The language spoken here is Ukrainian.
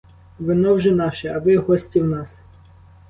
Вино вже наше, а ви гості в нас!